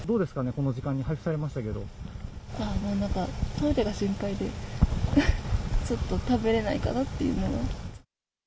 この時間に配なんか、トイレが心配で、ちょっと食べれないかなっていうのが。